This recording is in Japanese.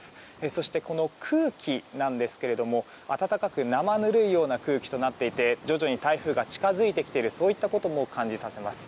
そして、この空気なんですが暖かく生ぬるいような空気となっていて徐々に台風が近づいていることも感じさせます。